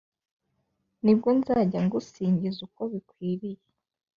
Nibwo nzajya ngusingiza uko bikwiriye